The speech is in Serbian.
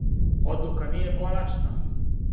Одлука није коначна.